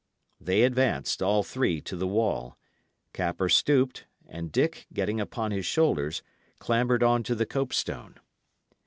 They advanced, all three, to the wall; Capper stooped, and Dick, getting upon his shoulders, clambered on to the cope stone.